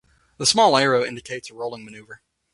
The small arrow indicates a rolling maneuver.